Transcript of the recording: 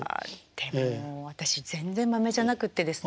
でも私全然まめじゃなくってですね